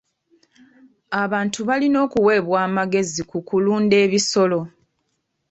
Abantu balina okuweebwa amagezi ku kulunda ebisolo.